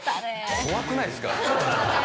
怖くないですか。